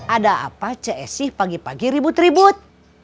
ada apa ce esih pagi pagi ribut ribut